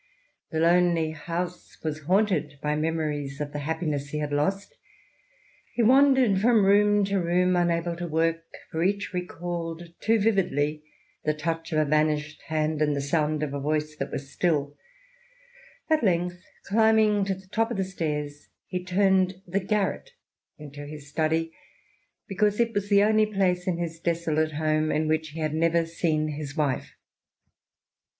The lonely house was haunted by memories of the happiness he had lost He wandered from room to room, unable to work, for each recalled too vividly the "touch of a vanished hand, and the sound of a voice that was still ;" at length, climbing to the top of the stairs, he turned the garret into his study, because it was the only place in his desolate home in whidi he had never seen his wife.